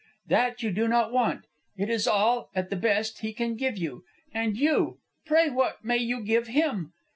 That you do not want. It is all, at the best, he can give you. And you, pray what may you give him?